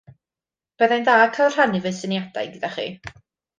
Byddai'n dda cael rhannu fy syniadau gyda chi.